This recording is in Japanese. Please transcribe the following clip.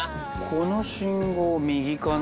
この信号右かな。